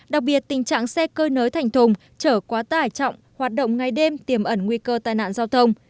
đặc biệt tình trạng xe cơi nới thành thùng trở quá tải trọng hoạt động ngay đêm tiềm ẩn nguy cơ tai nạn giao thông